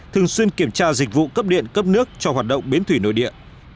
thường xuyên kiểm tra dịch vụ cấp điện cấp nước cho hoạt động biến thủy nơi địa